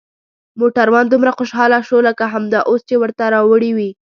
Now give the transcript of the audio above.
موټروان دومره خوشحاله شو لکه همدا اوس چې ورته راوړي وي.